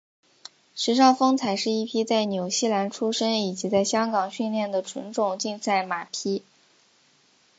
时尚风采是一匹在纽西兰出生以及在香港训练的纯种竞赛马匹。